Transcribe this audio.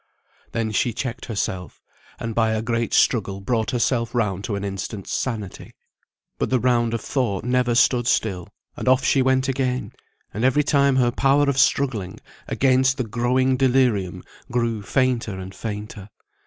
Then she checked herself, and by a great struggle brought herself round to an instant's sanity. But the round of thought never stood still; and off she went again; and every time her power of struggling against the growing delirium grew fainter and fainter.